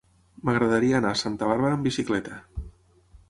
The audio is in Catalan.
M'agradaria anar a Santa Bàrbara amb bicicleta.